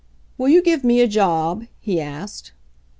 'Will you give me a job?" he asked.